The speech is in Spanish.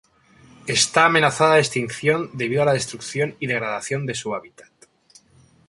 Está amenazada de extinción debido a la destrucción y degradación de su hábitat.